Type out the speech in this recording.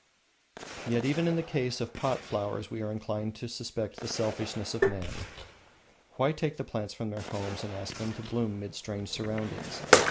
Yet even in the case of pot flowers we are inclined to suspect the selfishness of man. Why take the plants from their homes and ask them to bloom mid strange surroundings?